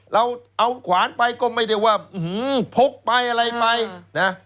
เราเอาขวานไปก็ไม่ได้ว่าพกไปอะไรไปนะ